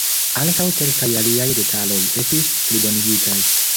Ankaŭ kelkaj aliaj detaloj estis plibonigitaj.